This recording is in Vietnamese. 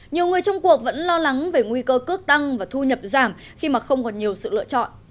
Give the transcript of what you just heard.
nhiều người trong cuộc vẫn lo lắng về nguy cơ cướp tăng và thu nhập giảm khi mà không còn nhiều sự lựa chọn